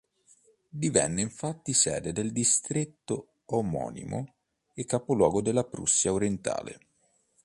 Divenne infatti sede del distretto omonimo e capoluogo della Prussia orientale.